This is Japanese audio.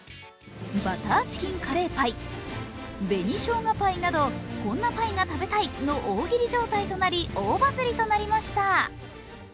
バターチキンカレーパイ紅ショウガパイなど「こんなパイが食べたい」の大喜利状態となり大バズりとなりました。